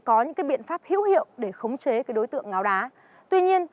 anh ơi anh phải ngay đây anh ơi